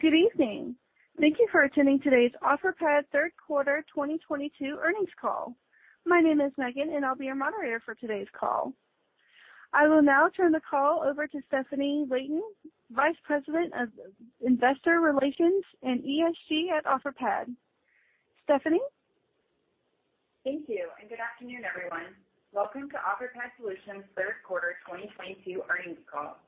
Good evening. Thank you for attending today's Offerpad Q3 2022 Earnings Call. My name is Megan, and I'll be your moderator for today's call. I will now turn the call over to Stefanie Layton, Vice President of Investor Relations and ESG at Offerpad. Stefanie? Thank you, and good afternoon, everyone. Welcome to Offerpad Solutions Q3 2022 Earnings Call.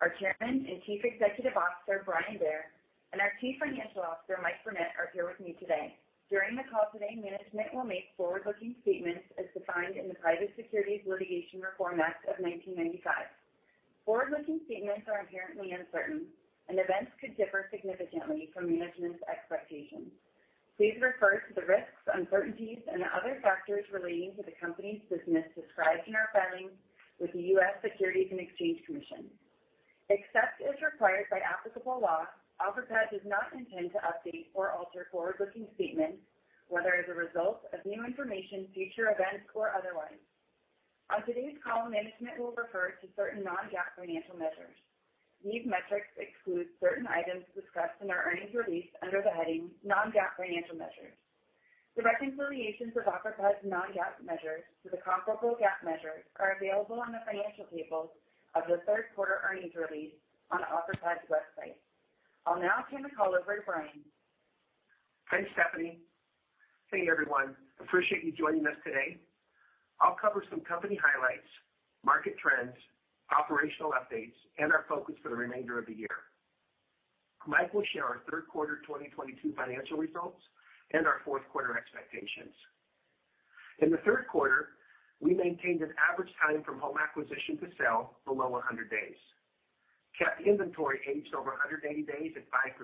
Our Chairman and Chief Executive Officer, Brian Bair, and our Chief Financial Officer, Mike Burnett, are here with me today. During the call today, management will make forward-looking statements as defined in the Private Securities Litigation Reform Act of 1995. Forward-looking statements are inherently uncertain, and events could differ significantly from management's expectations. Please refer to the risks, uncertainties, and other factors relating to the company's business described in our filings with the U.S. Securities and Exchange Commission. Except as required by applicable law, Offerpad does not intend to update or alter forward-looking statements, whether as a result of new information, future events, or otherwise. On today's call, management will refer to certain non-GAAP financial measures. These metrics exclude certain items discussed in our earnings release under the heading Non-GAAP Financial Measures. Direct reconciliations of Offerpad's non-GAAP measures to the comparable GAAP measures are available on the financial tables of the Q3 earnings release on Offerpad's website. I'll now turn the call over to Brian. Thanks, Stefanie. Hey, everyone. Appreciate you joining us today. I'll cover some company highlights, market trends, operational updates, and our focus for the remainder of the year. Mike will share our Q3 2022 financial results and our Q4 expectations. In the Q3, we maintained an average time from home acquisition to sale below 100 days, kept inventory aged over 180 days at 5%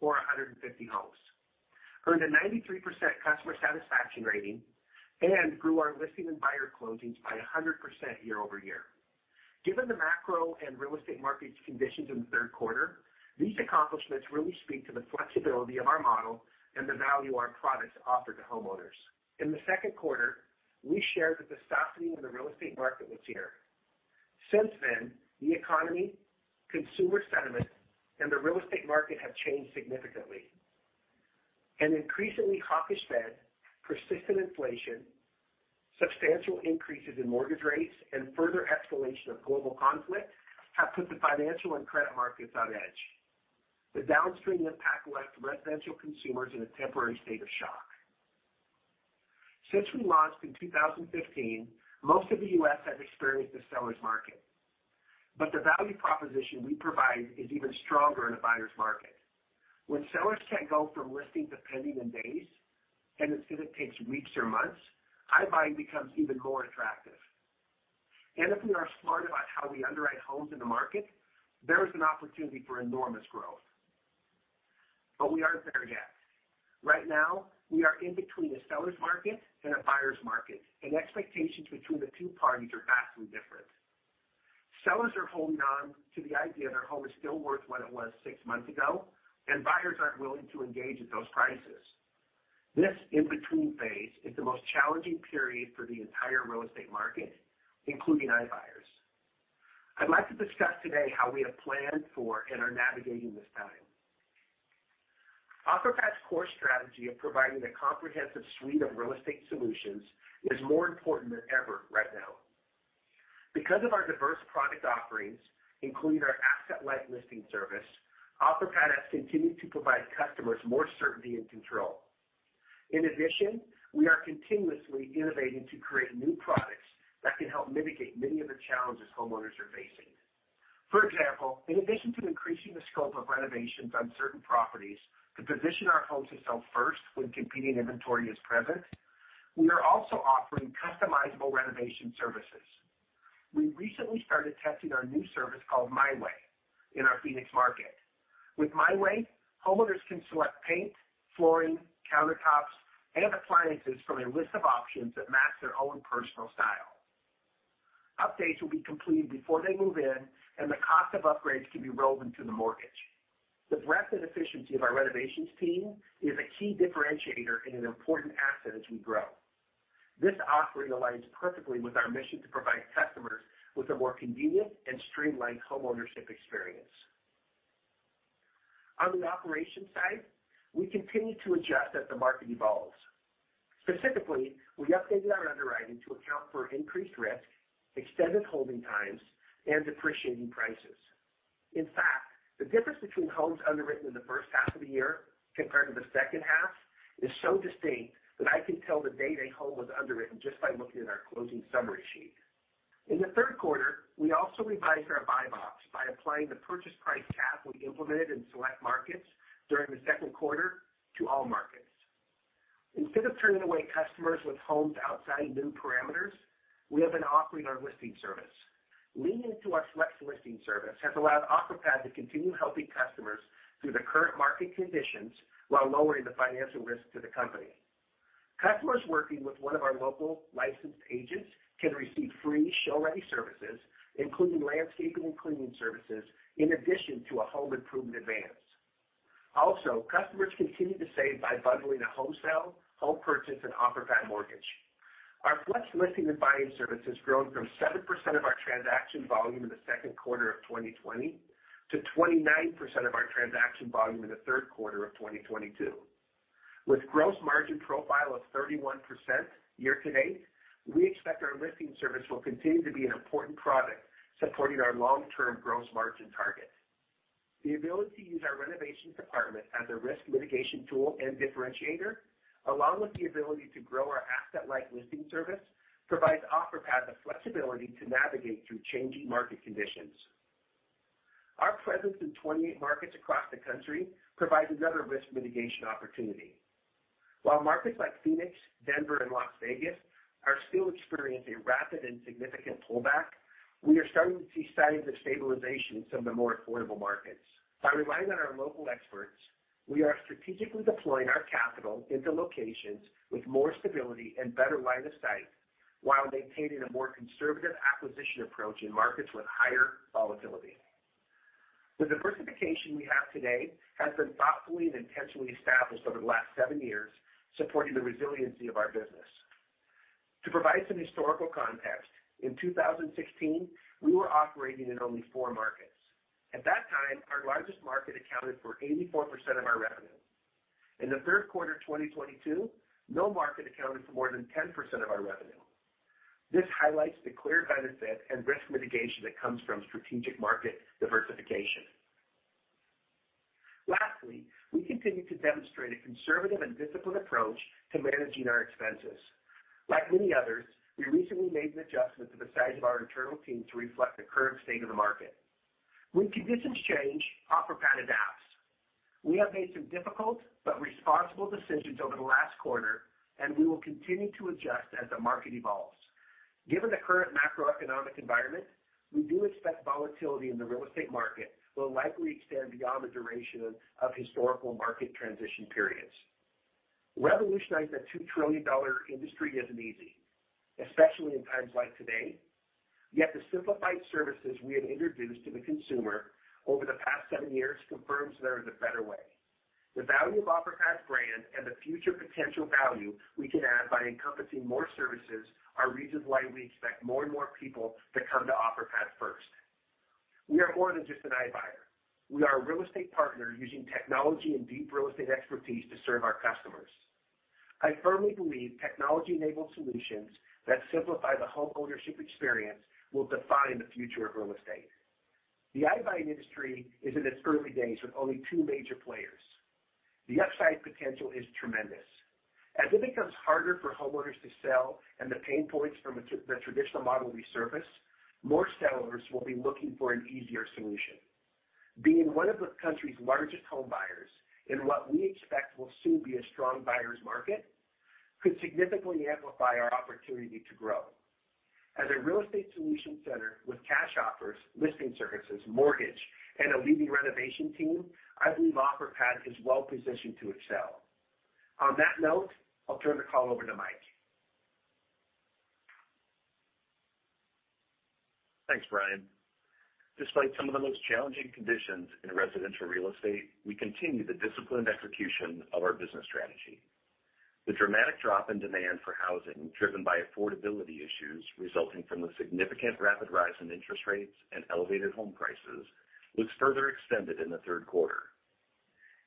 or 150 homes, earned a 93% customer satisfaction rating, and grew our listing and buyer closings by 100% year-over-year. Given the macro and real estate market conditions in the Q3, these accomplishments really speak to the flexibility of our model and the value our products offer to homeowners. In the Q2, we shared that the softening of the real estate market was here. Since then, the economy, consumer sentiment, and the real estate market have changed significantly. An increasingly hawkish Fed, persistent inflation, substantial increases in mortgage rates, and further escalation of global conflict have put the financial and credit markets on edge. The downstream impact left residential consumers in a temporary state of shock. Since we launched in 2015, most of the U.S. has experienced a seller's market, but the value proposition we provide is even stronger in a buyer's market. When sellers can't go from listing to pending in days, and instead it takes weeks or months, iBuying becomes even more attractive. If we are smart about how we underwrite homes in the market, there is an opportunity for enormous growth. We aren't there yet. Right now, we are in between a seller's market and a buyer's market, and expectations between the two parties are vastly different. Sellers are holding on to the idea their home is still worth what it was six months ago, and buyers aren't willing to engage at those prices. This in-between phase is the most challenging period for the entire real estate market, including iBuyers. I'd like to discuss today how we have planned for and are navigating this time. Offerpad's core strategy of providing a comprehensive suite of real estate solutions is more important than ever right now. Because of our diverse product offerings, including our asset-light listing service, Offerpad has continued to provide customers more certainty and control. In addition, we are continuously innovating to create new products that can help mitigate many of the challenges homeowners are facing. For example, in addition to increasing the scope of renovations on certain properties to position our homes to sell first when competing inventory is present, we are also offering customizable renovation services. We recently started testing our new service called MyWay in our Phoenix market. With MyWay, homeowners can select paint, flooring, countertops, and appliances from a list of options that match their own personal style. Updates will be completed before they move in, and the cost of upgrades can be rolled into the mortgage. The breadth and efficiency of our renovations team is a key differentiator and an important asset as we grow. This offering aligns perfectly with our mission to provide customers with a more convenient and streamlined homeownership experience. On the operations side, we continue to adjust as the market evolves. Specifically, we updated our underwriting to account for increased risk, extended holding times, and depreciating prices. In fact, the difference between homes underwritten in the first half of the year compared to the second half is so distinct that I can tell the day a home was underwritten just by looking at our closing summary sheet. In the Q3, we also revised our buy box by applying the purchase price cap we implemented in select markets during the Q2 to all markets. Instead of turning away customers with homes outside new parameters, we have been offering our listing service. Leaning into our select listing service has allowed Offerpad to continue helping customers through the current market conditions while lowering the financial risk to the company. Customers working with one of our local licensed agents can receive free show-ready services, including landscaping and cleaning services, in addition to a home improvement advance. Also, customers continue to save by bundling a home sale, home purchase, and Offerpad Mortgage. Our FLEX listing and buying service has grown from 7% of our transaction volume in the Q2 of 2020 to 29% of our transaction volume in the Q3 of 2022. With gross margin profile of 31% year-to-date, we expect our listing service will continue to be an important product supporting our long-term gross margin target. The ability to use our renovations department as a risk mitigation tool and differentiator, along with the ability to grow our asset-light listing service, provides Offerpad the flexibility to navigate through changing market conditions. Our presence in 28 markets across the country provides another risk mitigation opportunity. While markets like Phoenix, Denver, and Las Vegas are still experiencing rapid and significant pullback, we are starting to see signs of stabilization in some of the more affordable markets. By relying on our local experts, we are strategically deploying our capital into locations with more stability and better line of sight, while maintaining a more conservative acquisition approach in markets with higher volatility. The diversification we have today has been thoughtfully and intentionally established over the last seven years, supporting the resiliency of our business. To provide some historical context, in 2016, we were operating in only four markets. At that time, our largest market accounted for 84% of our revenue. In the Q3 of 2022, no market accounted for more than 10% of our revenue. This highlights the clear benefit and risk mitigation that comes from strategic market diversification. Lastly, we continue to demonstrate a conservative and disciplined approach to managing our expenses. Like many others, we recently made an adjustment to the size of our internal team to reflect the current state of the market. When conditions change, Offerpad adapts. We have made some difficult but responsible decisions over the last quarter, and we will continue to adjust as the market evolves. Given the current macroeconomic environment, we do expect volatility in the real estate market will likely extend beyond the duration of historical market transition periods. Revolutionizing a $2 trillion industry isn't easy, especially in times like today. Yet the simplified services we have introduced to the consumer over the past seven years confirms there is a better way. The value of Offerpad's brand and the future potential value we can add by encompassing more services are reasons why we expect more and more people to come to Offerpad first. We are more than just an iBuyer. We are a real estate partner using technology and deep real estate expertise to serve our customers. I firmly believe technology-enabled solutions that simplify the homeownership experience will define the future of real estate. The iBuying industry is in its early days with only two major players. The upside potential is tremendous. As it becomes harder for homeowners to sell and the pain points from the traditional model we service, more sellers will be looking for an easier solution. Being one of the country's largest home buyers in what we expect will soon be a strong buyer's market could significantly amplify our opportunity to grow. As a real estate solution center with cash offers, listing services, mortgage, and a leading renovation team, I believe Offerpad is well-positioned to excel. On that note, I'll turn the call over to Mike. Thanks, Brian. Despite some of the most challenging conditions in residential real estate, we continue the disciplined execution of our business strategy. The dramatic drop in demand for housing, driven by affordability issues resulting from the significant rapid rise in interest rates and elevated home prices, was further extended in the Q3.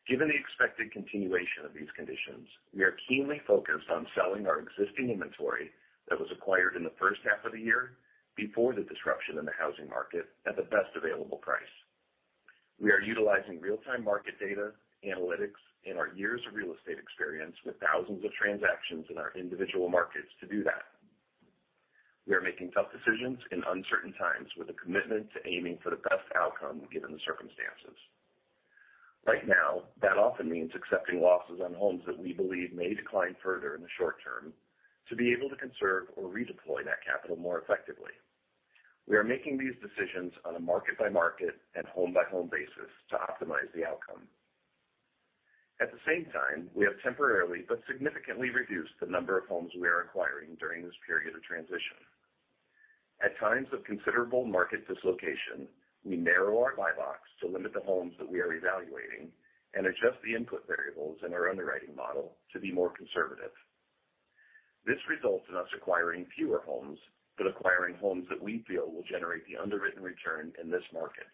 Given the expected continuation of these conditions, we are keenly focused on selling our existing inventory that was acquired in the first half of the year before the disruption in the housing market at the best available price. We are utilizing real-time market data, analytics, and our years of real estate experience with thousands of transactions in our individual markets to do that. We are making tough decisions in uncertain times with a commitment to aiming for the best outcome given the circumstances. Right now, that often means accepting losses on homes that we believe may decline further in the short term to be able to conserve or redeploy that capital more effectively. We are making these decisions on a market-by-market and home-by-home basis to optimize the outcome. At the same time, we have temporarily but significantly reduced the number of homes we are acquiring during this period of transition. At times of considerable market dislocation, we narrow our buy box to limit the homes that we are evaluating and adjust the input variables in our underwriting model to be more conservative. This results in us acquiring fewer homes, but acquiring homes that we feel will generate the underwritten return in this market.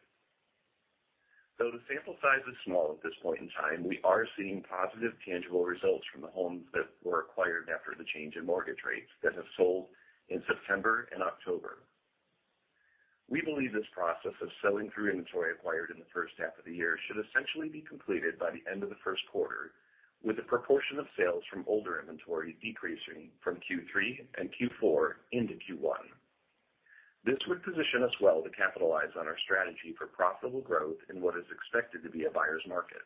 Though the sample size is small at this point in time, we are seeing positive tangible results from the homes that were acquired after the change in mortgage rates that have sold in September and October. We believe this process of selling through inventory acquired in the first half of the year should essentially be completed by the end of the Q1, with the proportion of sales from older inventory decreasing from Q3 and Q4 into Q1. This would position us well to capitalize on our strategy for profitable growth in what is expected to be a buyer's market.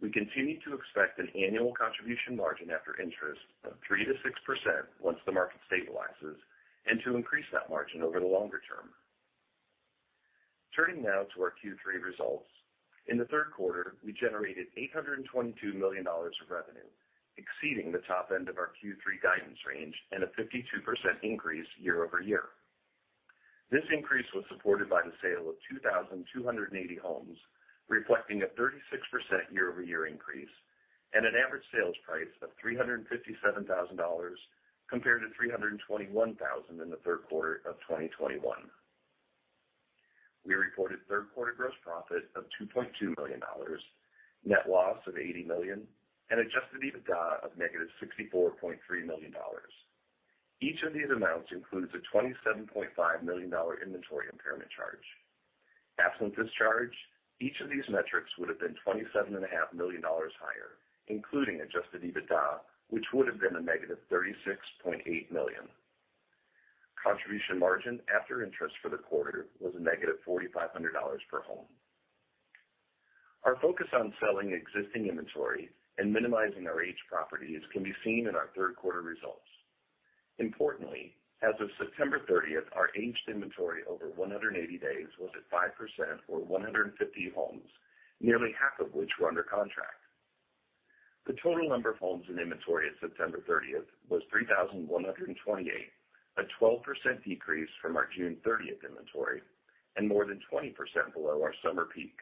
We continue to expect an annual contribution margin after interest of 3%-6% once the market stabilizes and to increase that margin over the longer term. Turning now to our Q3 results. In the Q3, we generated $822 million of revenue, exceeding the top end of our Q3 guidance range and a 52% increase year-over-year. This increase was supported by the sale of 2,280 homes, reflecting a 36% year-over-year increase and an average sales price of $357,000 compared to $321,000 in the Q3 of 2021. We reported Q3 gross profit of $2.2 million, net loss of $80 million, and Adjusted EBITDA of -$64.3 million. Each of these amounts includes a $27.5 million inventory impairment charge. Absent this charge, each of these metrics would have been $27.5 million higher, including Adjusted EBITDA, which would have been -$36.8 million. Contribution margin after interest for the quarter was -$4,500 per home. Our focus on selling existing inventory and minimizing our aged properties can be seen in our Q3 results. Importantly, as of 30 September, our aged inventory over 180 days was at 5% or 150 homes, nearly half of which were under contract. The total number of homes in inventory on 30 September was 3,128, a 12% decrease from our 30 June inventory and more than 20% below our summer peak.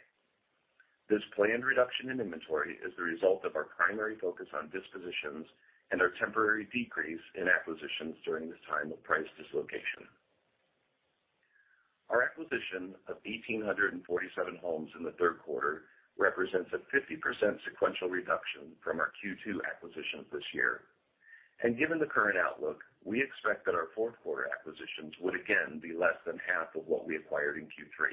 This planned reduction in inventory is the result of our primary focus on dispositions and our temporary decrease in acquisitions during this time of price dislocation. Our acquisition of 1,847 homes in the Q3 represents a 50% sequential reduction from our Q2 acquisitions this year. Given the current outlook, we expect that our Q4 acquisitions would again be less than half of what we acquired in Q3.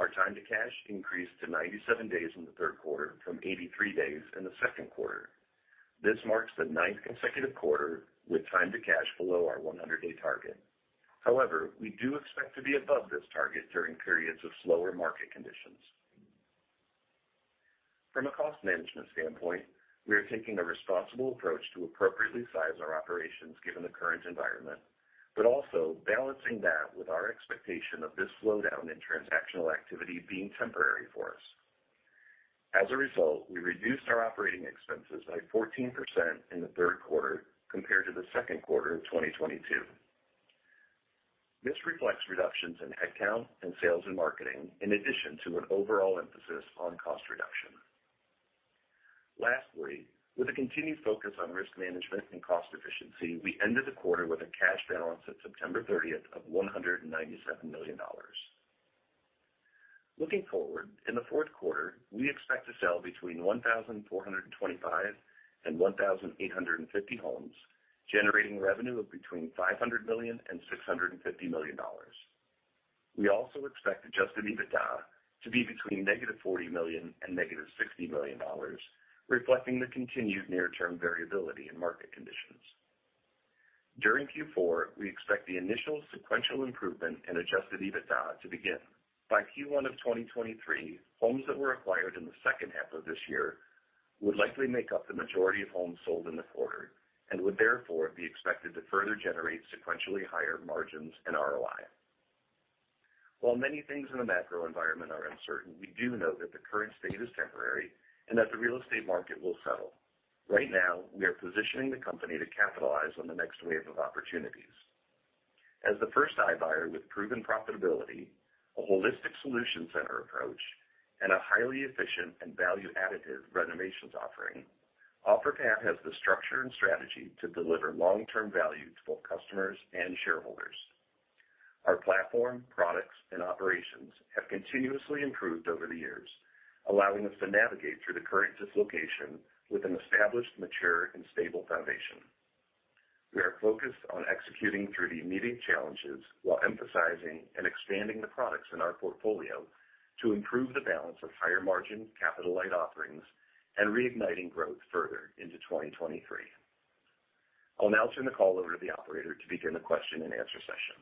Our time to cash increased to 97 days in the Q3 from 83 days in the Q2. This marks the nineth consecutive quarter with time to cash below our 100 day target. However, we do expect to be above this target during periods of slower market conditions. From a cost management standpoint, we are taking a responsible approach to appropriately size our operations given the current environment, but also balancing that with our expectation of this slowdown in transactional activity being temporary for us. As a result, we reduced our operating expenses by 14% in the Q3 compared to the Q2 of 2022. This reflects reductions in headcount and sales and marketing in addition to an overall emphasis on cost reduction. With a continued focus on risk management and cost efficiency, we ended the quarter with a cash balance as at 30 September of $197 million. Looking forward, in the Q4, we expect to sell between 1,425 and 1,850 homes, generating revenue of between $500 million and $650 million. We also expect Adjusted EBITDA to be between -$40 million and -$60 million, reflecting the continued near-term variability in market conditions. During Q4, we expect the initial sequential improvement in Adjusted EBITDA to begin. By Q1 of 2023, homes that were acquired in the second half of this year would likely make up the majority of homes sold in the quarter and would therefore be expected to further generate sequentially higher margins and ROI. While many things in the macro environment are uncertain, we do know that the current state is temporary and that the real estate market will settle. Right now, we are positioning the company to capitalize on the next wave of opportunities. As the first iBuyer with proven profitability, a holistic solution center approach, and a highly efficient and value-additive renovations offering, Offerpad has the structure and strategy to deliver long-term value to both customers and shareholders. Our platform, products, and operations have continuously improved over the years, allowing us to navigate through the current dislocation with an established, mature and stable foundation. We are focused on executing through the immediate challenges while emphasizing and expanding the products in our portfolio to improve the balance of higher margin capital-light offerings and reigniting growth further into 2023. I'll now turn the call over to the operator to begin the question and answer session.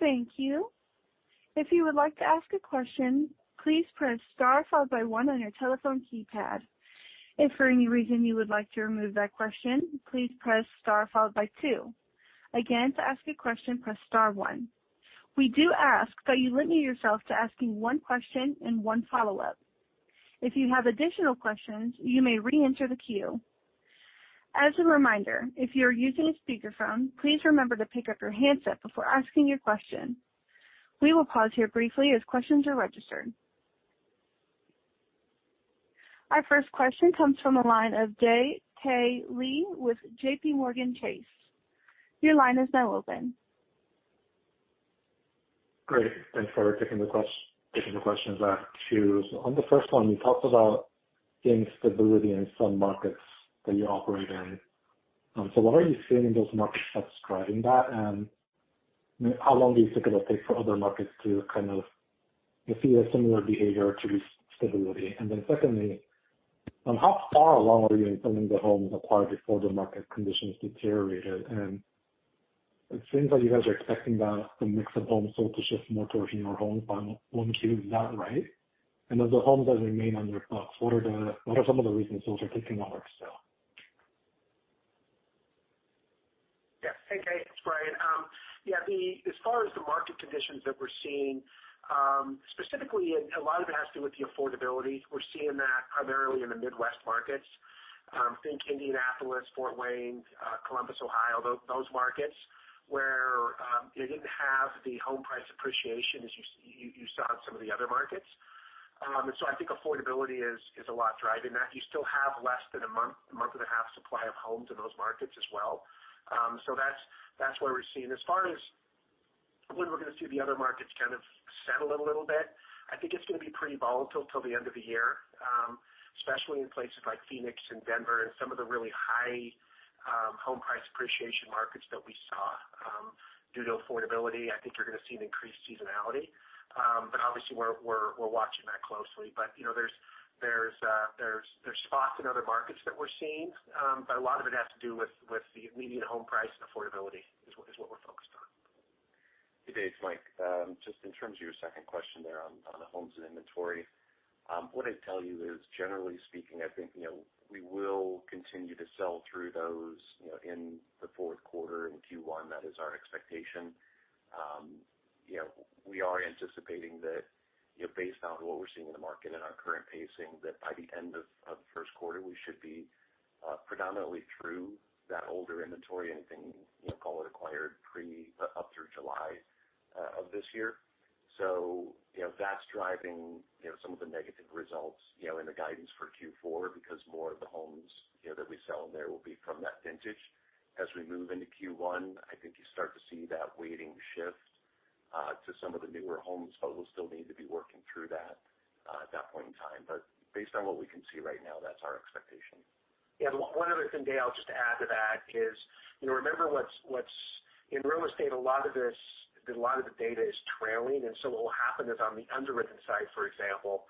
Thank you. If you would like to ask a question, please press Star followed by one on your telephone keypad. If for any reason you would like to remove that question, please press Star followed by two. Again, to ask a question, press Star one. We do ask that you limit yourself to asking one question and one follow-up. If you have additional questions, you may reenter the queue. As a reminder, if you are using a speakerphone, please remember to pick up your handset before asking your question. We will pause here briefly as questions are registered. Our first question comes from the line of Dae K. Lee with J.P. Morgan Chase. Your line is now open. Great. Thanks for taking the questions. On the first one, you talked about the instability in some markets that you operate in. So what are you seeing in those markets that's driving that? How long do you think it'll take for other markets to kind of see a similar behavior to stability? Secondly, how far along were you in selling the homes acquired before the market conditions deteriorated? It seems like you guys are expecting the mix of homes sold to shift more towards newer homes. Is that right? Of the homes that remain on your books, what are some of the reasons those are taking longer to sell? Yeah. Hey, Dae K. Lee, it's Brian Bair. As far as the market conditions that we're seeing, specifically, a lot of it has to do with the affordability. We're seeing that primarily in the Midwest markets. Think Indianapolis, Fort Wayne, Columbus, Ohio, those markets where they didn't have the home price appreciation as you saw in some of the other markets. I think affordability is a lot driving that. You still have less than a month, a month and a half supply of homes in those markets as well. That's where we're seeing. As far as when we're gonna see the other markets kind of settle in a little bit, I think it's gonna be pretty volatile till the end of the year, especially in places like Phoenix and Denver and some of the really high home price appreciation markets that we saw. Due to affordability, I think you're gonna see an increased seasonality. Obviously we're watching that closely. You know, there's spots in other markets that we're seeing, but a lot of it has to do with the median home price and affordability is what we're focused on. Hey, Dae, it's Mike. Just in terms of your second question there on the homes and inventory, what I'd tell you is, generally speaking, I think, you know, we will continue to sell through those, you know, in the Q4, in Q1. That is our expectation. You know, we are anticipating that, you know, based on what we're seeing in the market and our current pacing, that by the end of the first quarter, we should be predominantly through that older inventory, anything, you know, call it acquired pre up through July of this year. You know, that's driving, you know, some of the negative results, you know, in the guidance for Q4 because more of the homes, you know, that we sell there will be from that vintage. As we move into Q1, I think you start to see that weighting shift to some of the newer homes, but we'll still need to be working through that at that point in time. Based on what we can see right now, that's our expectation. Yeah. One other thing, Dae, I'll just add to that is, you know, remember what's in real estate, a lot of this, a lot of the data is trailing, and so what will happen is on the underwritten side, for example,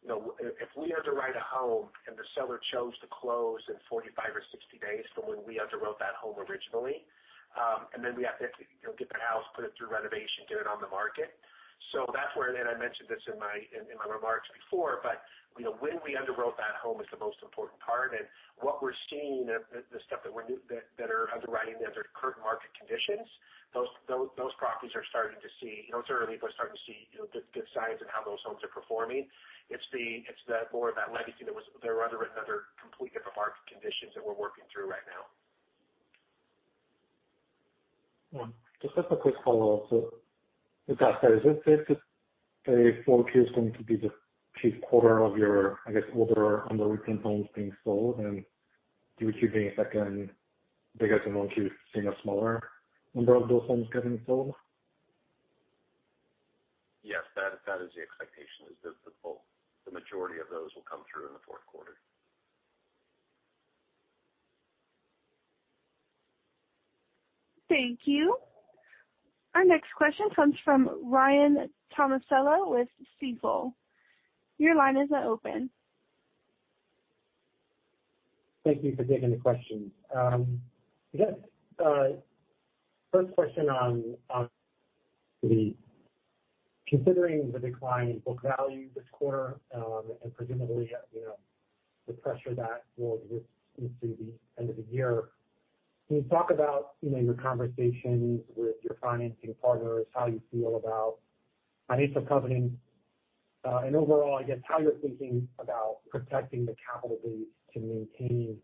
you know, if we underwrite a home and the seller chose to close in 45 or 60 days from when we underwrote that home originally, and then we have to, you know, get the house, put it through renovation, get it on the market. So that's where, and I mentioned this in my remarks before, but, you know, when we underwrote that home is the most important part. What we're seeing, the stuff that we're underwriting under current market conditions, those properties are starting to see. You know, it's early, but starting to see, you know, good signs in how those homes are performing. It's the more of that legacy that were underwritten under completely different market conditions that we're working through right now. Just as a quick follow-up. With that said, is it safe to say Q4 is going to be the peak quarter of your, I guess, older underwritten homes being sold, and Q2 being a second bigger than Q1, seeing a smaller number of those homes getting sold? Yes. That is the expectation, is that the majority of those will come through in the Q4. Thank you. Our next question comes from Ryan Tomasello with Stifel. Your line is now open. Thank you for taking the questions. Considering the decline in book value this quarter, and presumably, you know, the pressure that will persist into the end of the year, can you talk about, you know, your conversations with your financing partners, how you feel about financial covenants? Overall, I guess, how you're thinking about protecting the capital base to maintain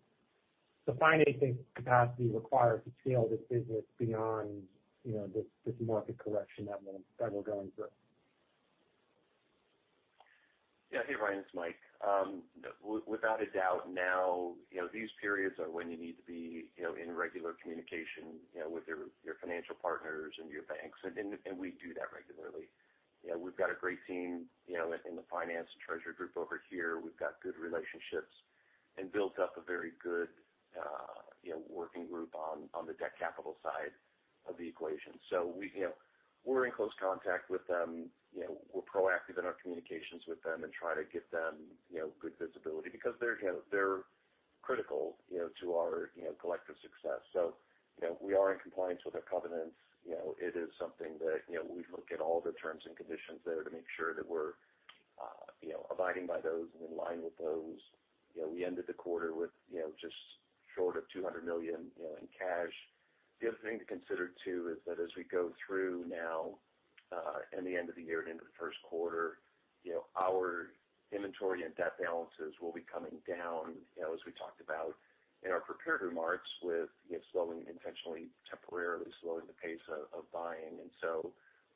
the financing capacity required to scale this business beyond, you know, this market correction that we're going through? Yeah. Hey, Ryan, it's Mike. Without a doubt now, you know, these periods are when you need to be, you know, in regular communication, you know, with your financial partners and your banks, and we do that regularly. You know, we've got a great team, you know, in the finance and treasury group over here. We've got good relationships and built up a very good, you know, working group on the debt capital side of the equation. You know, we're in close contact with them. You know, we're proactive in our communications with them and try to give them, you know, good visibility because they're, you know, critical, you know, to our, you know, collective success. You know, we are in compliance with our covenants. You know, it is something that, you know, we look at all the terms and conditions there to make sure that we're, you know, abiding by those and in line with those. You know, we ended the quarter with, you know, just short of $200 million, you know, in cash. The other thing to consider too is that as we go through now, and the end of the year and into the first quarter, you know, our inventory and debt balances will be coming down, you know, as we talked about in our prepared remarks with, you know, slowing intentionally, temporarily slowing the pace of buying.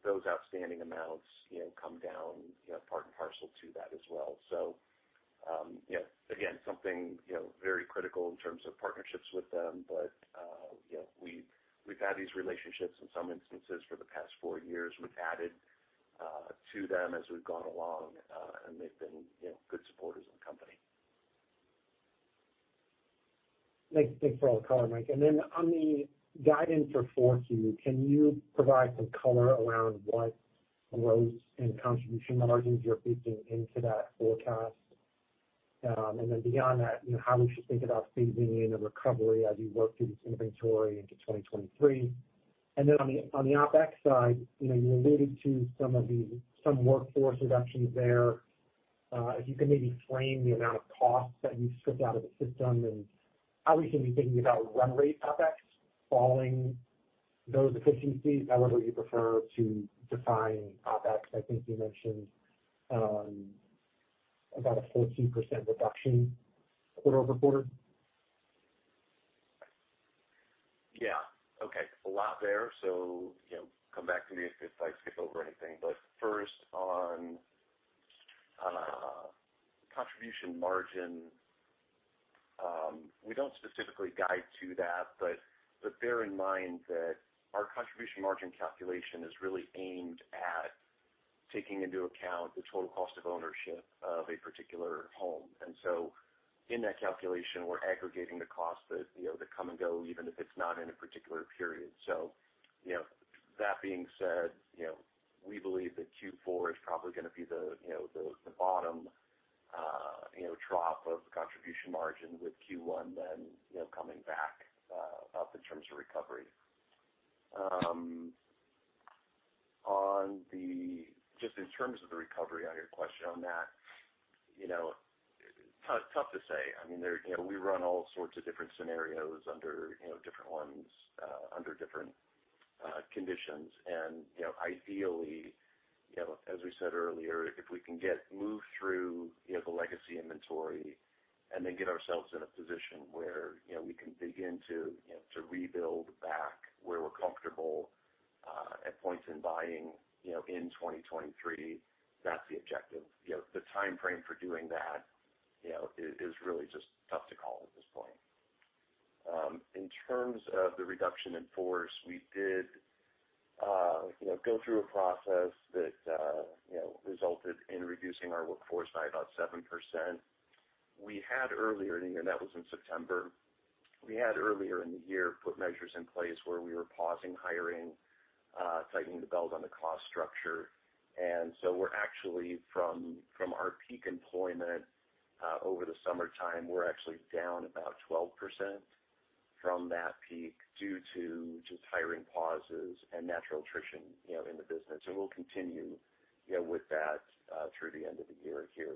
Those outstanding amounts, you know, come down, you know, part and parcel to that as well. You know, again, something, you know, very critical in terms of partnerships with them. you know, we've had these relationships in some instances for the past four years. We've added to them as we've gone along, and they've been, you know, good supporters of the company. Thanks. Thanks for all the color, Mike. On the guidance for 4Q, can you provide some color around what growth and contribution margins you're baking into that forecast? Beyond that, you know, how we should think about phasing in a recovery as you work through this inventory into 2023. On the OpEx side, you know, you alluded to some of the workforce reductions there. If you can maybe frame the amount of costs that you've stripped out of the system and how we should be thinking about run rate OpEx following those efficiencies, however you prefer to define OpEx. I think you mentioned about a 14% reduction quarter-over-quarter. Yeah. Okay. A lot there. You know, come back to me if I skip over anything. First, on contribution margin, we don't specifically guide to that, but bear in mind that our contribution margin calculation is really aimed at taking into account the total cost of ownership of a particular home. In that calculation, we're aggregating the costs that come and go even if it's not in a particular period. That being said, you know, we believe that Q4 is probably gonna be the bottom drop of contribution margin with Q1 then coming back up in terms of recovery. Just in terms of the recovery on your question on that, you know, kind of tough to say. I mean, you know, we run all sorts of different scenarios under different conditions. You know, ideally, you know, as we said earlier, if we can move through the legacy inventory and then get ourselves in a position where, you know, we can begin to rebuild back where we're comfortable at points in buying, you know, in 2023, that's the objective. You know, the timeframe for doing that, you know, is really just tough to call at this point. In terms of the reduction in force, we did, you know, go through a process that, you know, resulted in reducing our workforce by about 7%. We had earlier in the year, that was in September. We had earlier in the year put measures in place where we were pausing hiring, tightening the belt on the cost structure. We're actually from our peak employment over the summertime, we're actually down about 12% from that peak due to just hiring pauses and natural attrition, you know, in the business. We'll continue, you know, with that through the end of the year here.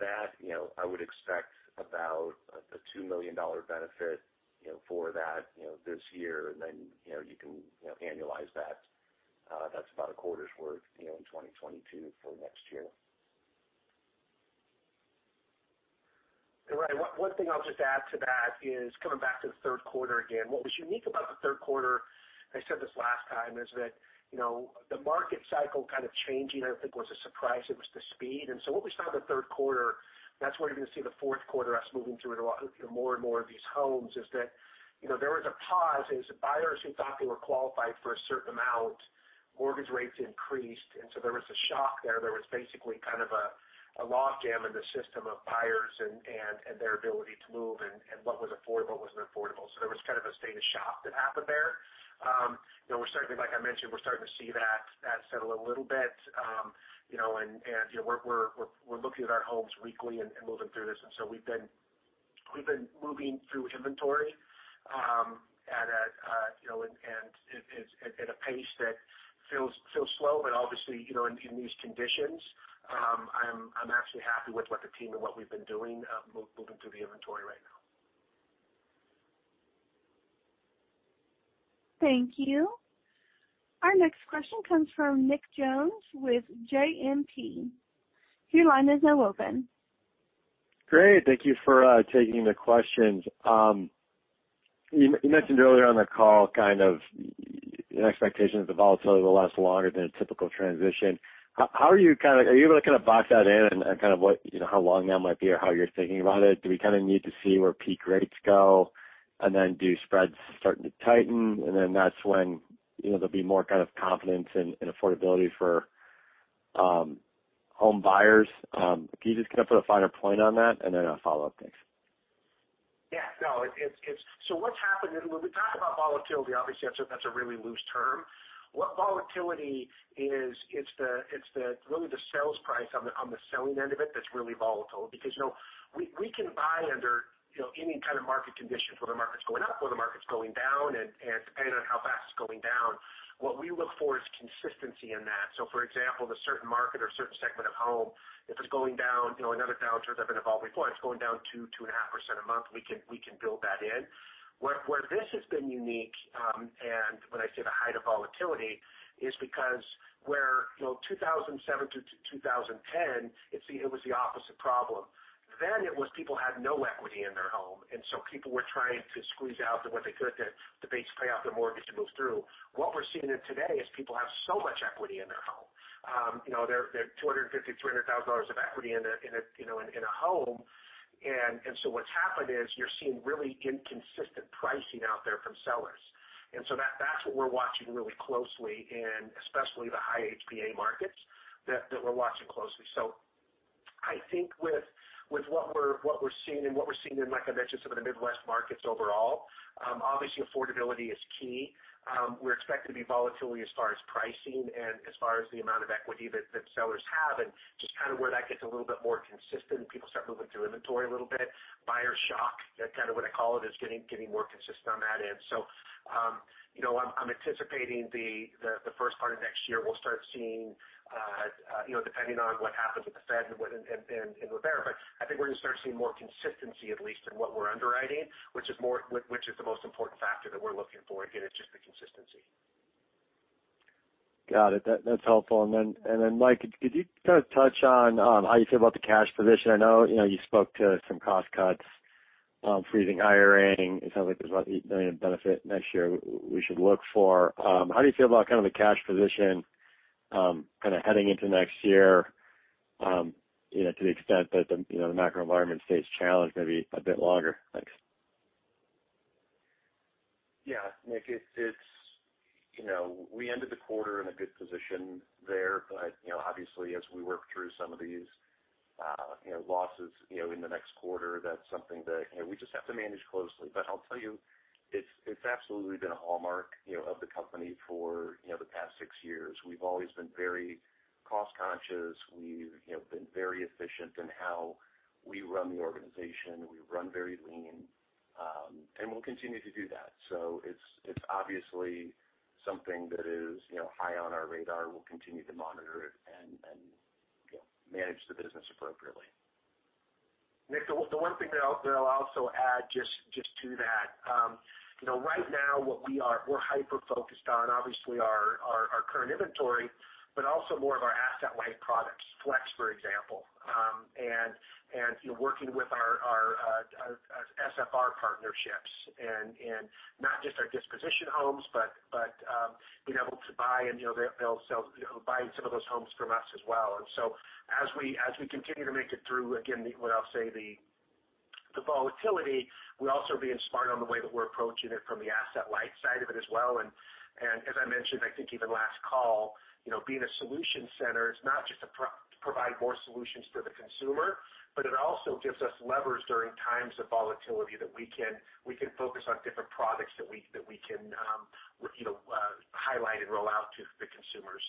That, you know, I would expect about a $2 million benefit, you know, for that, you know, this year. You know, you can, you know, annualize that. That's about a quarter's worth, you know, in 2022 for next year. Ryan, one thing I'll just add to that is coming back to the Q3 again. What was unique about the Q3, I said this last time, is that, you know, the market cycle kind of changing, I don't think was a surprise, it was the speed. What we saw in the Q3, that's where you're gonna see the Q4 us moving through it a lot, you know, more and more of these homes, is that, you know, there was a pause as buyers who thought they were qualified for a certain amount, mortgage rates increased, and so there was a shock there. There was basically kind of a log jam in the system of buyers and their ability to move and what was affordable, wasn't affordable. There was kind of a state of shock that happened there. You know, we're starting to, like I mentioned, we're starting to see that settle a little bit. You know, and you know, we're looking at our homes weekly and moving through this. We've been moving through inventory at a you know, and at a pace that feels slow. Obviously, you know, in these conditions, I'm actually happy with what the team and what we've been doing, moving through the inventory right now. Thank you. Our next question comes from Nick Jones with JMP. Your line is now open. Great. Thank you for taking the questions. You mentioned earlier on the call kind of an expectation that the volatility will last longer than a typical transition. How are you able to kinda box that in and kind of what, you know, how long that might be or how you're thinking about it? Do we kinda need to see where peak rates go, and then do spreads starting to tighten and then that's when, you know, there'll be more kind of confidence in affordability for home buyers? If you just kinda put a finer point on that, and then a follow-up. Thanks. No. It's what's happened, and when we talk about volatility, obviously, that's a really loose term. What volatility is, it's really the sales price on the selling end of it that's really volatile. Because, you know, we can buy under, you know, any kind of market conditions, whether the market's going up or the market's going down, and depending on how fast it's going down. What we look for is consistency in that. For example, a certain market or certain segment of home, if it's going down, you know, another downturn that I've been involved before, it's going down 2%-2.5% a month, we can build that in. Where this has been unique, and when I say the height of volatility, is because, you know, 2007-2010, it was the opposite problem. It was people had no equity in their home, and so people were trying to squeeze out what they could to basically pay off their mortgage and move through. What we're seeing today is people have so much equity in their home. You know, there are $250,000-$300,000 of equity in a home. So what's happened is you're seeing really inconsistent pricing out there from sellers. That's what we're watching really closely, and especially the high HPA markets that we're watching closely. I think with what we're seeing in, like I mentioned, some of the Midwest markets overall, obviously affordability is key. We're expecting to see volatility as far as pricing and as far as the amount of equity that sellers have, and just kind of where that gets a little bit more consistent and people start moving through inventory a little bit. Buyer shock, that's kind of what I call it, is getting more consistent on that end. You know, I'm anticipating the first part of next year, we'll start seeing, you know, depending on what happens with the Fed and what and with there. I think we're gonna start seeing more consistency, at least in what we're underwriting, which is the most important factor that we're looking for. Again, it's just the consistency. Got it. That's helpful. Mike, could you kind of touch on how you feel about the cash position? I know you know you spoke to some cost cuts, freezing hiring. It sounds like there's about $8 million benefit next year we should look for. How do you feel about kind of the cash position, kind of heading into next year, you know, to the extent that the you know the macro environment stays challenged maybe a bit longer? Thanks. Yeah. Nick, it's you know, we ended the quarter in a good position there. You know, obviously, as we work through some of these you know, losses, you know, in the next quarter, that's something that you know, we just have to manage closely. I'll tell you, it's absolutely been a hallmark you know, of the company for you know, the past six years. We've always been very cost conscious. We've you know, been very efficient in how we run the organization. We run very lean and we'll continue to do that. It's obviously something that is you know, high on our radar. We'll continue to monitor it and you know, manage the business appropriately. Nick, the one thing that I'll also add just to that. You know, right now we're hyper-focused on obviously our current inventory, but also more of our asset-light products. Flex, for example. And working with our SFR partnerships and not just our disposition homes, but being able to buy and, you know, they'll sell, you know, buying some of those homes from us as well. As we continue to make it through, again, what I'll say the volatility, we're also being smart on the way that we're approaching it from the asset-light side of it as well. As I mentioned, I think even last call, you know, being a solution center is not just to provide more solutions to the consumer, but it also gives us levers during times of volatility that we can focus on different products that we can, you know, highlight and roll out to the consumers.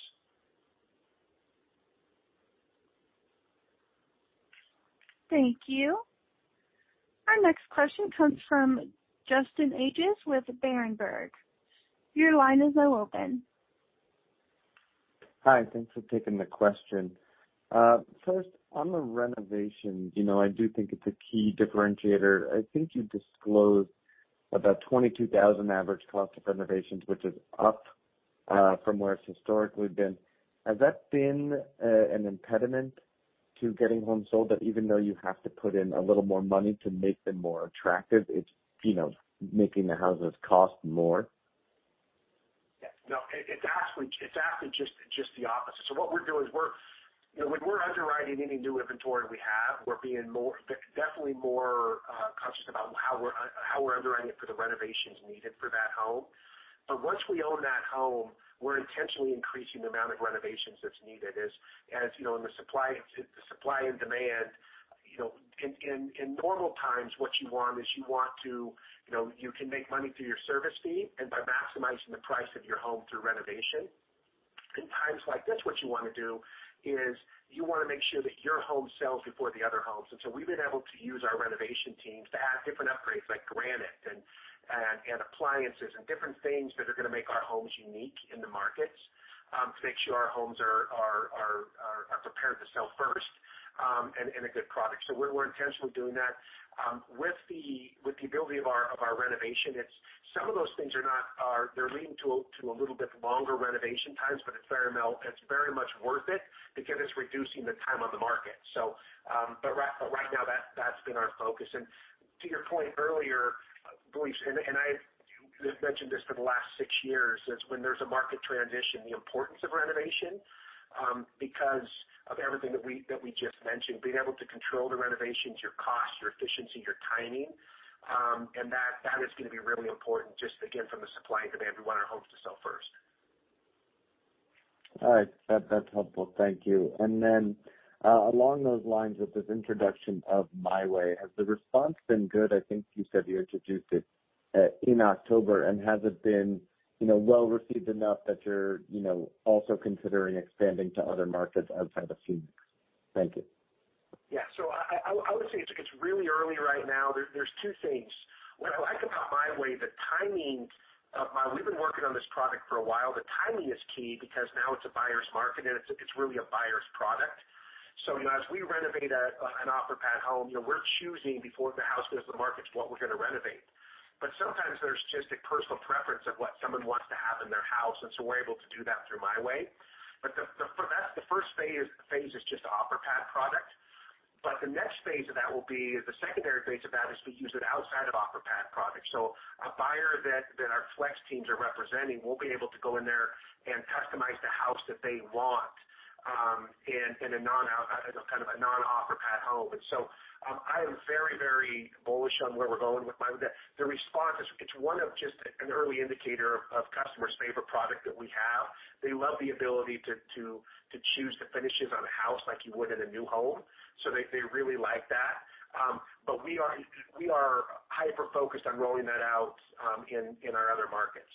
Thank you. Our next question comes from Justin Ages with Berenberg. Your line is now open. Hi. Thanks for taking the question. First, on the renovations, you know, I do think it's a key differentiator. I think you disclosed about $22,000 average cost of renovations, which is up from where it's historically been. Has that been an impediment to getting homes sold? That even though you have to put in a little more money to make them more attractive, it's, you know, making the houses cost more? No, it's actually just the opposite. What we're doing is we're you know, when we're underwriting any new inventory we have, we're being definitely more conscious about how we're underwriting it for the renovations needed for that home. Once we own that home, we're intentionally increasing the amount of renovations that's needed. As you know, in the supply and demand, you know, in normal times, what you want is you want to, you know, you can make money through your service fee and by maximizing the price of your home through renovation. In times like this, what you wanna do is you wanna make sure that your home sells before the other homes. We've been able to use our renovation teams to add different upgrades like granite and appliances and different things that are gonna make our homes unique in the markets, to make sure our homes are prepared to sell first, and a good product. We're intentionally doing that. With the ability of our renovation, it's. Some of those things are not. They're leading to a little bit longer renovation times, but it's very much worth it because it's reducing the time on the market. But right now that's been our focus. To your point earlier, Luis, and I've mentioned this for the last six years, is when there's a market transition, the importance of renovation, because of everything that we just mentioned, being able to control the renovations, your cost, your efficiency, your timing, and that is gonna be really important just again from a supply and demand. We want our homes to sell first. All right. That's helpful. Thank you. Along those lines with this introduction of MyWay, has the response been good? I think you said you introduced it in October, and has it been, you know, well received enough that you're, you know, also considering expanding to other markets outside of Phoenix? Thank you. Yeah. I would say it's really early right now. There's two things. What I like about MyWay, the timing of MyWay. We've been working on this product for a while. The timing is key because now it's a buyer's market and it's really a buyer's product. You know, as we renovate an Offerpad home, you know, we're choosing before the house goes to market what we're gonna renovate. Sometimes there's just a personal preference of what someone wants to have in their house, and so we're able to do that through MyWay. For that, the first phase is just the Offerpad product. The next phase of that will be, the secondary phase of that is we use it outside of Offerpad products. A buyer that our Flex teams are representing will be able to go in there and customize the house that they want in a kind of a non-Offerpad home. I am very bullish on where we're going with MyWay. The response is it's just an early indicator of customers' favorite product that we have. They love the ability to choose the finishes on a house like you would in a new home. They really like that. We are hyper-focused on rolling that out in our other markets.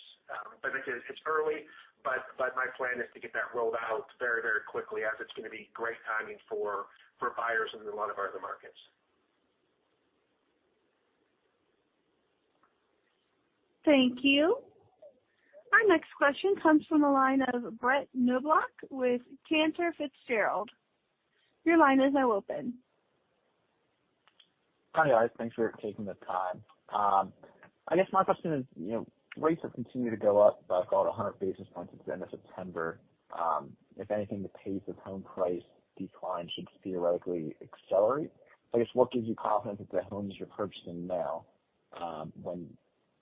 Like I said, it's early, but my plan is to get that rolled out very quickly as it's gonna be great timing for buyers in a lot of our other markets. Thank you. Our next question comes from the line of Brett Knoblauch with Cantor Fitzgerald. Your line is now open. Hi, guys. Thanks for taking the time. I guess my question is, you know, rates have continued to go up by about 100 basis points since the end of September. If anything, the pace of home price decline should theoretically accelerate. I guess, what gives you confidence that the homes you're purchasing now, when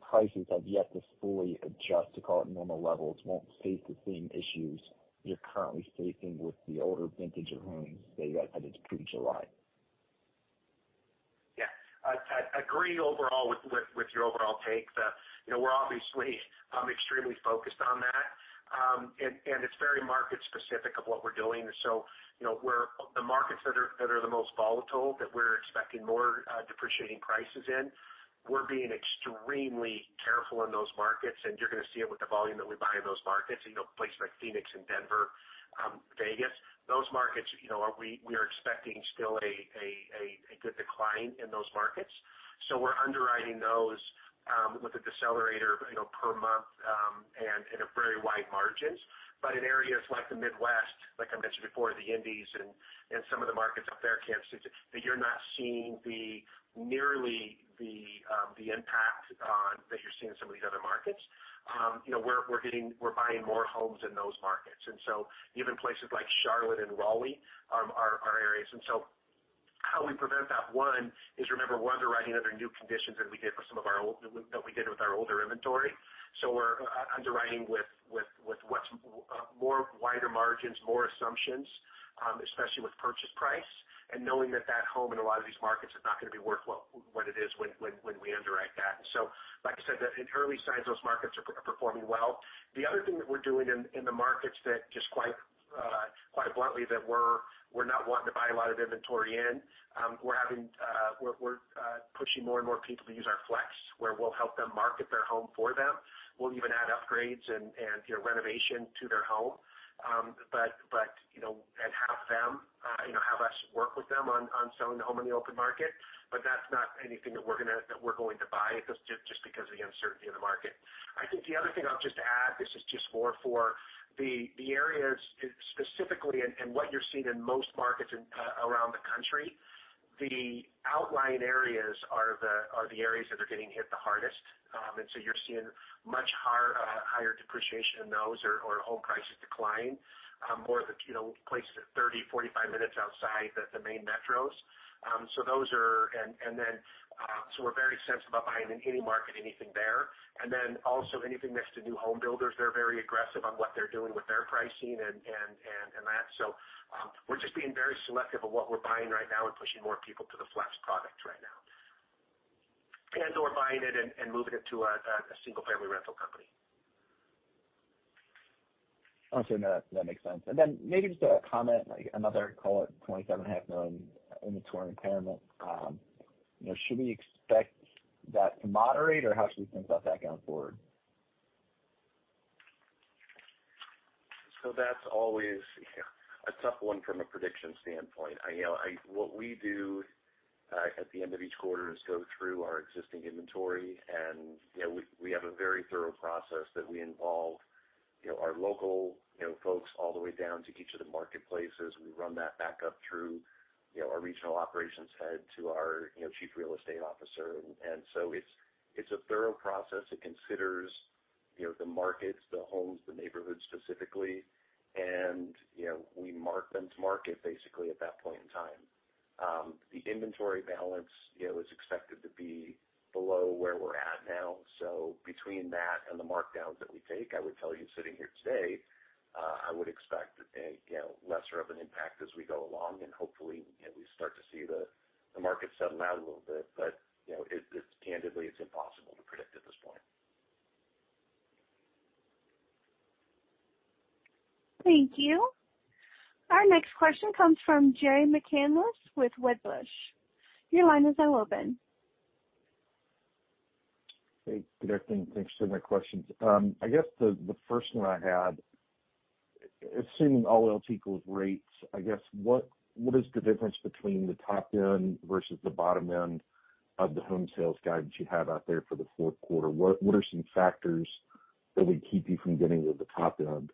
prices have yet to fully adjust to call it normal levels, won't face the same issues you're currently facing with the older vintage of homes that you guys had as of pre-July? Yeah. I agree overall with your overall take. You know, we're obviously extremely focused on that. It's very market specific of what we're doing. You know, where the markets that are the most volatile that we're expecting more depreciating prices in, we're being extremely careful in those markets, and you're gonna see it with the volume that we buy in those markets. You know, places like Phoenix and Denver, Vegas. Those markets, you know, we are expecting still a good decline in those markets. We're underwriting those with a decelerator, you know, per month, and with very wide margins. In areas like the Midwest, like I mentioned before, Indiana's and some of the markets up there, Kansas City, that you're not seeing nearly the impact that you're seeing in some of these other markets. You know, we're buying more homes in those markets. Even places like Charlotte and Raleigh are areas. How we prevent that, one, is remember, we're underwriting under new conditions than we did with our older inventory. We're underwriting with what's more wider margins, more assumptions, especially with purchase price and knowing that that home in a lot of these markets is not gonna be worth what it is when we underwrite that. Like I said, the early signs, those markets are performing well. The other thing that we're doing in the markets that quite bluntly we're pushing more and more people to use our flex, where we'll help them market their home for them. We'll even add upgrades and you know renovation to their home and have them you know have us work with them on selling the home on the open market. But that's not anything that we're going to buy just because of the uncertainty in the market. I think the other thing I'll just add. This is just more for the areas specifically and what you're seeing in most markets around the country. The outlying areas are the areas that are getting hit the hardest. You're seeing much higher depreciation in those or home prices decline, more of the, you know, places that 30-45 minutes outside the main metros. Those are. We're very sensitive about buying in any market, anything there. Anything next to new home builders, they're very aggressive on what they're doing with their pricing and that. We're just being very selective of what we're buying right now and pushing more people to the flex product right now. buying it and moving it to a single-family rental company. Also, no, that makes sense. Maybe just a comment, like another call it $27.5 million inventory impairment. You know, should we expect that to moderate, or how should we think about that going forward? That's always a tough one from a prediction standpoint. What we do at the end of each quarter is go through our existing inventory, and, you know, we have a very thorough process that we involve, you know, our local, you know, folks all the way down to each of the marketplaces. We run that back up through, you know, our regional operations head to our, you know, chief real estate officer. It's a thorough process. It considers, you know, the markets, the homes, the neighborhoods specifically. You know, we mark them to market basically at that point in time. The inventory balance, you know, is expected to be below where we're at now. Between that and the markdowns that we take, I would tell you sitting here today, I would expect, you know, lesser of an impact as we go along, and hopefully, you know, we start to see the market settle out a little bit. You know, candidly, it's impossible to predict at this point. Thank you. Our next question comes from Jay McCanless with Wedbush. Your line is now open. Hey, good afternoon. Thanks for taking my questions. I guess the first one I had, assuming all else equal, rates, I guess what is the difference between the top end versus the bottom end of the home sales guidance you have out there for the Q4? What are some factors that would keep you from getting to the top end?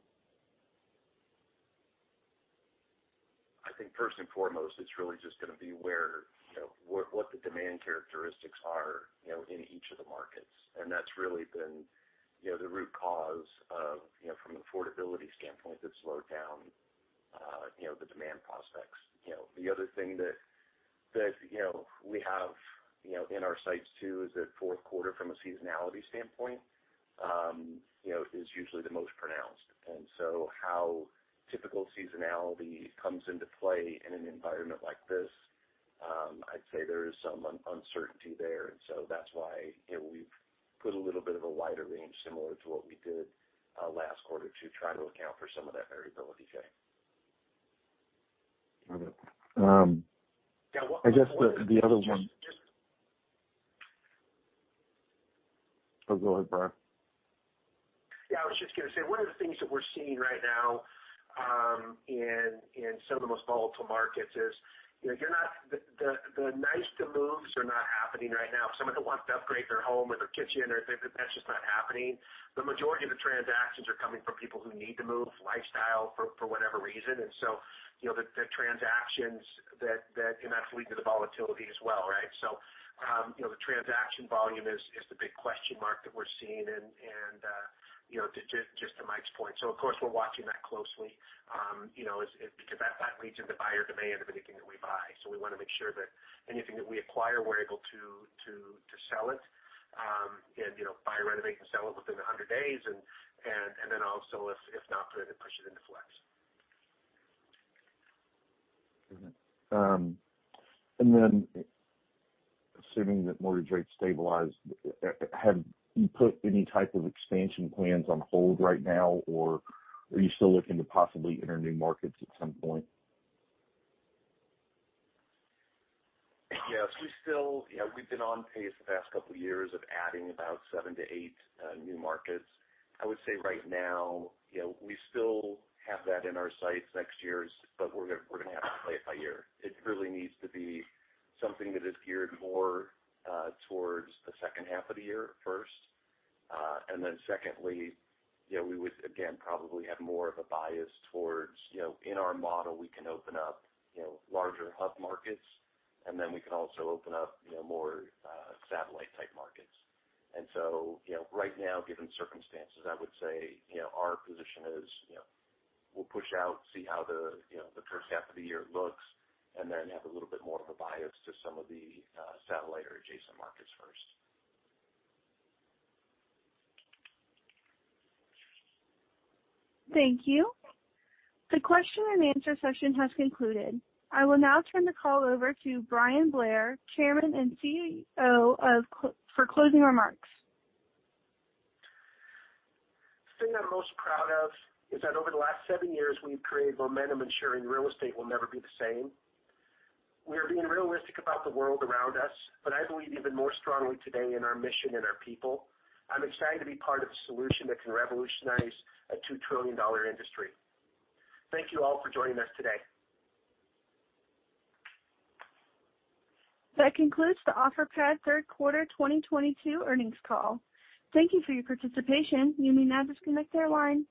I think first and foremost, it's really just gonna be where, you know, what the demand characteristics are, you know, in each of the markets. That's really been, you know, the root cause of, you know, from affordability standpoint, the slowdown, you know, the demand prospects. You know, the other thing that, you know, we have, you know, in our sights, too, is that Q4 from a seasonality standpoint, you know, is usually the most pronounced. How typical seasonality comes into play in an environment like this, I'd say there is some uncertainty there. That's why, you know, we've put a little bit of a wider range similar to what we did, last quarter to try to account for some of that variability, Jay. Got it. I guess the other one. Just Oh, go ahead, Brian. Yeah, I was just gonna say, one of the things that we're seeing right now in some of the most volatile markets is, you know, the nice-to moves are not happening right now. Someone who wants to upgrade their home or their kitchen, that's just not happening. The majority of the transactions are coming from people who need to move for lifestyle for whatever reason. You know, and that's leading to the volatility as well, right? You know, the transaction volume is the big question mark that we're seeing and, you know, just to Mike's point. Of course, we're watching that closely, you know, it's because that leads into buyer demand for anything that we buy. We wanna make sure that anything that we acquire, we're able to sell it, and you know, buy, renovate, and sell it within 100 days. Then also if not, then to push it into flex. Assuming that mortgage rates stabilize, have you put any type of expansion plans on hold right now, or are you still looking to possibly enter new markets at some point? Yes, we still, you know, we've been on pace the past couple of years of adding about seven to eight new markets. I would say right now, you know, we still have that in our sights next year, but we're gonna have to play it by ear. It really needs to be something that is geared more towards the second half of the year first. Then secondly, you know, we would again probably have more of a bias towards, you know, in our model, we can open up, you know, larger hub markets, and then we can also open up, you know, more satellite-type markets. You know, right now, given circumstances, I would say, you know, our position is, you know, we'll push out, see how the first half of the year looks, and then have a little bit more of a bias to some of the satellite or adjacent markets first. Thank you. The question and answer session has concluded. I will now turn the call over to Brian Bair, Chairman and CEO of Offerpad Solutions Inc. for closing remarks. The thing I'm most proud of is that over the last seven years, we've created momentum ensuring real estate will never be the same. We are being realistic about the world around us, but I believe even more strongly today in our mission and our people. I'm excited to be part of the solution that can revolutionize a $2 trillion industry. Thank you all for joining us today. That concludes the Offerpad Q3 2022 Earnings Call. Thank you for your participation. You may now disconnect your line.